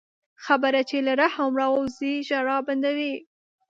خبره چې له رحم راووځي، ژړا بندوي